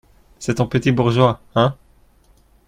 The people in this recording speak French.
C'est ton petit bourgeois, hein?